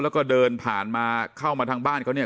แล้วก็เดินผ่านมาเข้ามาทางบ้านเขาเนี่ย